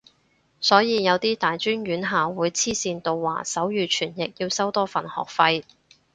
所以有啲大專院校會黐線到話手語傳譯要收多份學費